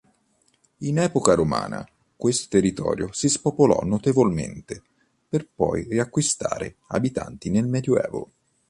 In epoca romana questo territorio si spopolò notevolmente per poi riacquistare abitanti nel medioevo.